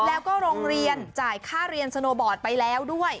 แล้วก็โรงเรียนจ่ายค่าเรียนสโนบอร์ดไปแล้วด้วย